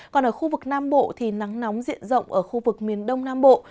còn ở khu vực nam bộ thì nắng nóng diện rộng ở khu vực miền đông nam bộ